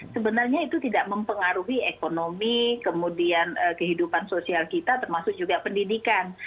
sebenarnya itu tidak mempengaruhi ekonomi kemudian kehidupan sosial kita termasuk juga pendidikan